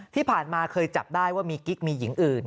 ที่ผ่านมาเคยจับได้ว่ามีกิ๊กมีหญิงอื่น